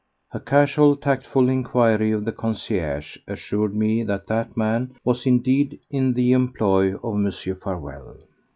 A casual, tactful inquiry of the concierge assured me that that man was indeed in the employ of Mr. Farewell.